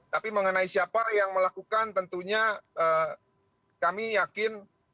tapi mengenai siapa yang melakukan tentunya kami yakin